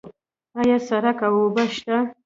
آیا سړک او اوبه شته؟